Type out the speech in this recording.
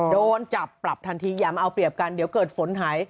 โดนจับปรับทันทีอย่ามาเอาเปรียบกันเดี๋ยวเกิดฝนหาย